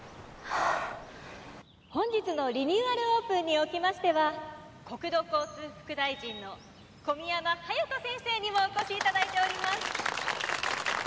本日のリニューアルオープンにおきましては国土交通副大臣の小宮山勇人先生にもお越しいただいております。